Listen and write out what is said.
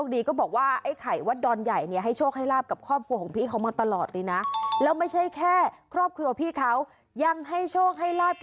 ทำไมซุ้มให้หน่อยมันจะได้ชัด